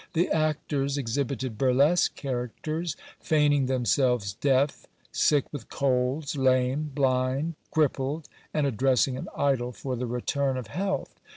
The actors exhibited burlesque characters, feigning themselves deaf, sick with colds, lame, blind, crippled, and addressing an idol for the return of health.